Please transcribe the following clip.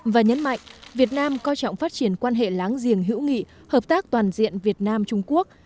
và nhấn mạnh việt nam coi trọng phát triển quan hệ láng giềng hữu nghị hợp tác toàn diện việt nam trung quốc